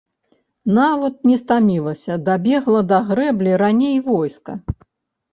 Нават не стамілася, дабегла да грэблі раней войска.